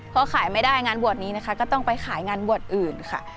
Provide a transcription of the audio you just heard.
พอขายไม่ได้งานบวชนี้นะคะก็ต้องไปขายงานบวชอื่นค่ะ